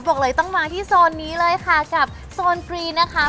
บอกเลยต้องมาที่โซนนี้เลยค่ะกับโซนกรีนนะคะ